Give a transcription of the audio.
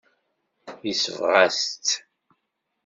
Yesbeɣ-as-tt.